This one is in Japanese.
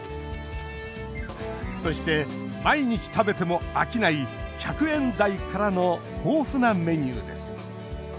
そして、毎日食べても飽きない１００円台からの豊富なメニューです。